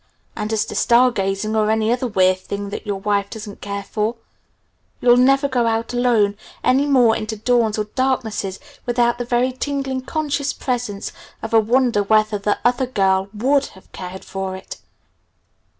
And as to 'star gazing' or any other weird thing that your wife doesn't care for you'll never go out alone any more into dawns or darknesses without the very tingling conscious presence of a wonder whether the 'other girl' would have cared for it!"